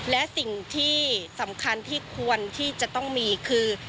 และสิ่งที่สำคัญที่ควรที่จะต้องมีคือ